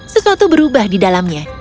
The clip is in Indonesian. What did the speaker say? sesuatu berubah di dalamnya